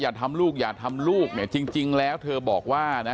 อย่าทำลูกอย่าทำลูกเนี่ยจริงแล้วเธอบอกว่านะ